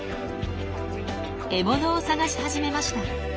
獲物を探し始めました。